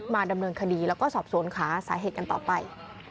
ดำเนินคดีแล้วก็สอบสวนหาสาเหตุกันต่อไป